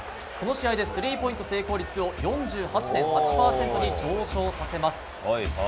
この試合でスリーポイント成功率を４８．８％に上昇させます。